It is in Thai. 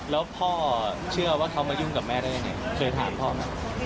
แล้วพ่อเชื่อว่าเขามายุ่งกับแม่ได้ยังไงเคยถามพ่อไหม